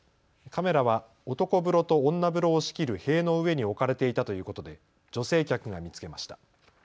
カメラは男風呂と女風呂を仕切る塀の上に置かれていたということで女性客が見つけました。